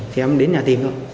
thì em đến nhà tìm được